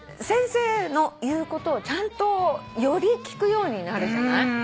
先生の言うことをちゃんとより聞くようになるじゃない？